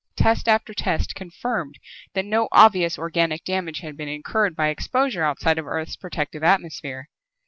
Test after test confirmed that no obvious organic damage had been incurred by exposure outside of the Earth's protective atmosphere.